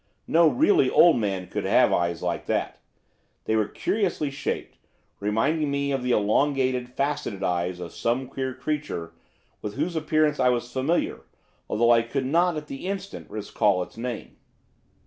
No really old man could have had eyes like that. They were curiously shaped, reminding me of the elongated, faceted eyes of some queer creature, with whose appearance I was familiar, although I could not, at the instant, recall its name.